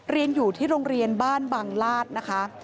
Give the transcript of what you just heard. เรียนอยู่ที่โรงเรียนบ้านบังลาศนะคะ